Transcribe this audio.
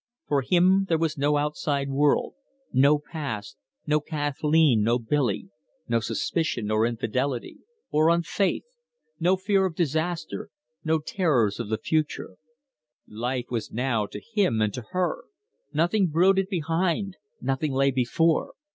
For him there was no outside world; no past, no Kathleen, no Billy; no suspicion, or infidelity, or unfaith; no fear of disaster; no terrors of the future. Life was Now to him and to her: nothing brooded behind, nothing lay before.